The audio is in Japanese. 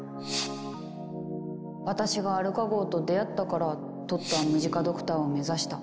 私がアルカ号と出会ったからトットはムジカ・ドクターを目指した。